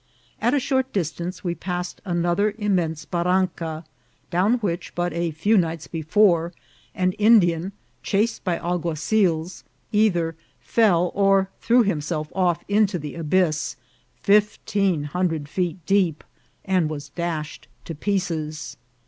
At a short distance we passed an other immense barranca, down which, but a few nights before, an Indian, chased by alguazils, either fell or threw himself off into the abyss, fifteen hundred feet deep, and was dashed to pieces.